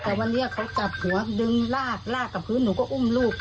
แต่วันนี้เขาจับหัวดึงลากกับพื้นหนูก็อุ้มลูก